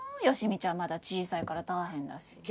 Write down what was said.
好美ちゃんまだ小さいから大変だし。